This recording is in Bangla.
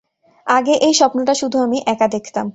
আগে এই স্বপ্নটা শুধু আমি একা দেখতাম।